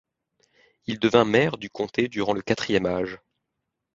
Il devint maire du Comté durant le Quatrième Âge.